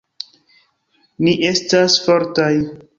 Ni estas fortaj